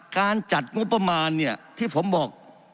การจัดงบประมาณเนี่ยที่ผมบอก